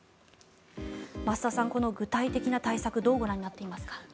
増田さん、この具体的な対策どうご覧になっていますか。